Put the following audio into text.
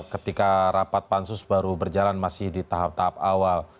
ketika rapat pansus baru berjalan masih di tahap tahap awal